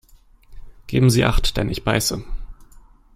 Geben Sie Acht, denn ich beiße!